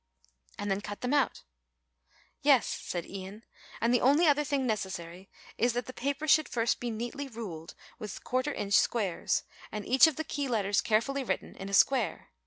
and then cut them out." "Yes," said Ian, "and the only other thing necessary is that the paper should first be neatly ruled with quarter inch squares, and each of the key letters carefully written in a square.